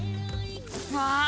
わあ！